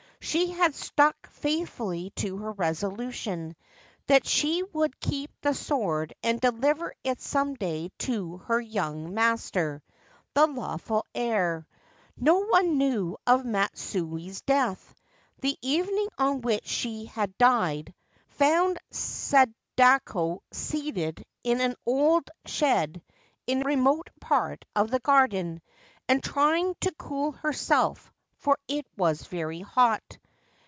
She had stuck faithfully to her resolution that she would keep the sword and deliver it some day to her young master, the lawful heir. No one knew of Matsue's death. The evening on which she had died found Sadako seated in an old shed in a remote part of the garden, and trying to cool herself, for it was very hot.